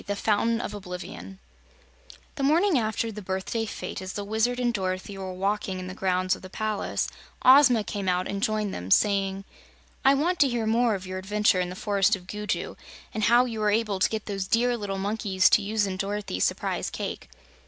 23. The Fountain of Oblivion The morning after the birthday fete, as the Wizard and Dorothy were walking in the grounds of the palace, Ozma came out and joined them, saying: "I want to hear more of your adventures in the Forest of Gugu, and how you were able to get those dear little monkeys to use in Dorothy's Surprise Cake."